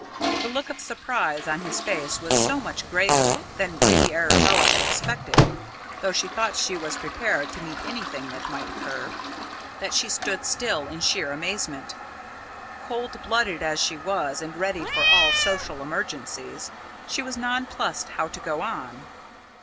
The look of surprise on his face was so much greater than Lady Arabella had expected though she thought she was prepared to meet anything that might occur that she stood still, in sheer amazement. Cold blooded as she was and ready for all social emergencies, she was nonplussed how to go on.